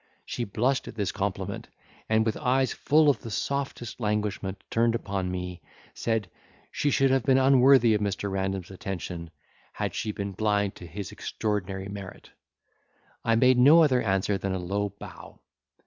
She blushed at this compliment, and, with eyes full of the softest languishment turned upon me, said, she should have been unworthy of Mr. Random's attention, had she been blind to his extraordinary merit. I made no other answer than a low bow.